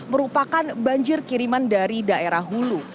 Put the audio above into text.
merupakan banjir kiriman dari daerah hulu